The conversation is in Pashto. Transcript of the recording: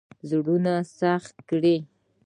زړونه سخت کړي.